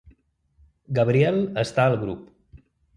Gabrielle està al grup.